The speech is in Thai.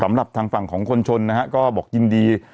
สำหรับทางฝั่งของคนชนนะฮะก็บอกยินดี